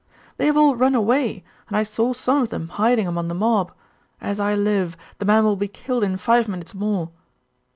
'They have all run away, and I saw some of them hiding among the mob. As I live, the man will be killed in five minutes more.